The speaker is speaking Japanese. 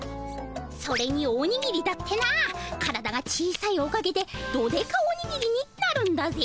それにおにぎりだってな体が小さいおかげでドデカおにぎりになるんだぜ。